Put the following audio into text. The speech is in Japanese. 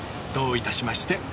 どういたしまして。